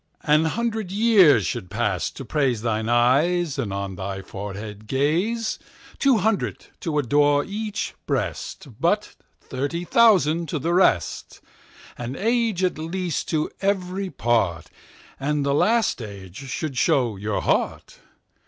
An hundred years should go to praiseThine Eyes, and on thy Forehead Gaze.Two hundred to adore each Breast:But thirty thousand to the rest. An Age at least to every part, And the last Age should show your Heart.